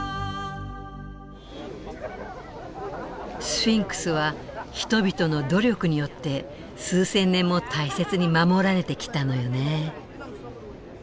スフィンクスは人々の努力によって数千年も大切に守られてきたのよね。